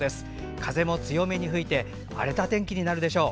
風も強めに吹いて荒れた天気になるでしょう。